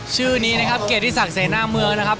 ชื่อนี้นะครับเกรดที่ศักดิ์เสน่ห์หน้าเมืองนะครับ